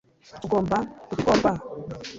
ugomba gukorwa